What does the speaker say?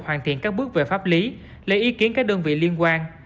hoàn thiện các bước về pháp lý lấy ý kiến các đơn vị liên quan